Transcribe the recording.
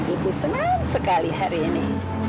ibu senang sekali hari ini